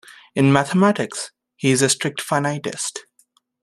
In mathematics, he is a strict finitist.